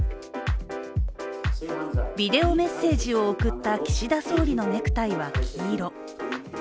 ビデオメッセージを送った岸田総理のネクタイの色は黄色。